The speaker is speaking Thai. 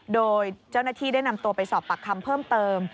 โดยเจ้าหน้าที่ได้นำตัวไปสอบปากคำเพิ่มเติม